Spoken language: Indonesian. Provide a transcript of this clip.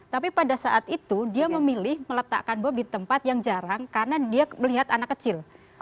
tapi pada saat itu dia memilih meletakkan bom di tempat yang jarang karena dia melihat anak kecil